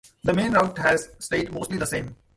The main route has stayed mostly the same.